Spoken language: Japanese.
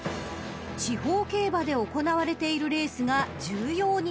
［地方競馬で行われているレースが重要になってくる］